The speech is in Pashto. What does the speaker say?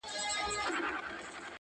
چي مرور نه یم’ چي در پُخلا سم تاته’